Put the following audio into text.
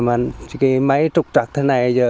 mà cái máy trục trặc thế này